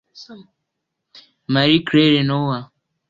Marie-Claire Noah